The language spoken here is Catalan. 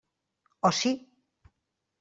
O sí.